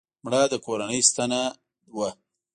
مړه د کورنۍ ستنه وه